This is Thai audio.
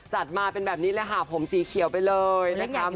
จัดมาเป็นแบบนี้เลยค่ะผมสีเขียวไปเลยนะคะ